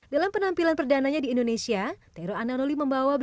dalam penampilan perdananya di indonesia tero ananoli membuat karya terbaru